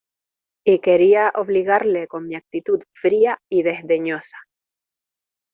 y quería obligarle con mi actitud fría y desdeñosa.